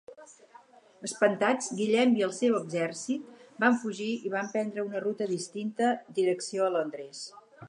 Espantats, Guillem i el seu exèrcit van fugir i van prendre una ruta distinta direcció a Londres.